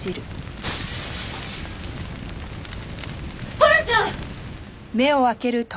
トラちゃん！